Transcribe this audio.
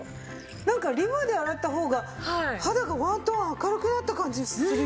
なんかリファで洗った方が肌がワントーン明るくなった感じするよね。